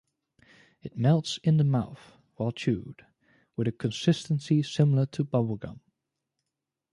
It melts in the mouth while chewed, with a consistency similar to bubble gum.